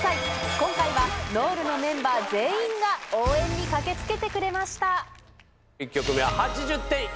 今回はＮＯＲＤのメンバー全員が応援に駆け付けてくれました。